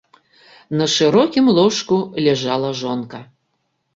На шырокім ложку ляжала жонка.